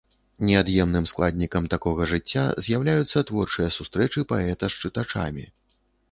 Неад'емным складнікам такога жыцця з'яўляюцца творчыя сустрэчы паэта з чытачамі.